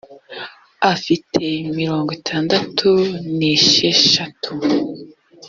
afite mirongo itandatu n’esheshatu.